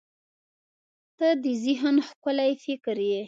• ته د ذهن ښکلي فکر یې.